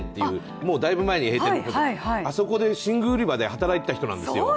もうだいぶ前に閉店になったあそこの寝具売り場で働いていた人なんですよ。